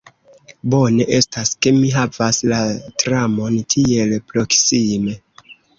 Bone estas ke mi havas la tramon tiel proksime.